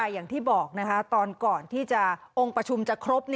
อย่างที่บอกตอนก่อนที่จะองค์ประชุมจะครบ